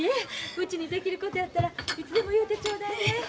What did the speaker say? うちにできることやったらいつでも言うてちょうだいね。